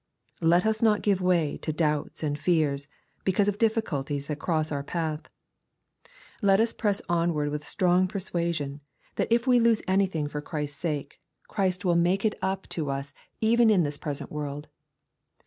Let us not give way to doubts and fears because of difficulties that cross our path. Let us press onward with a strong persuasion, that if we lose anything for Christ's sake, Christ will make LUKE, CHAP. XVIII. 279 it up to us even in this present world.